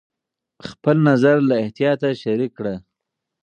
خپل نظر له احتیاطه شریک کړه.